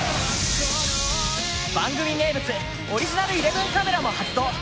番組名物、オリジナル１１カメラも発動。